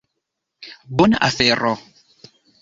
Bona afero.